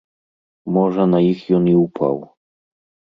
Можа, на іх ён і ўпаў.